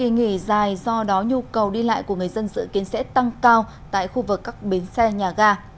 nhu cầu đi lại của người dân dự kiến sẽ tăng cao tại khu vực các bến xe nhà ga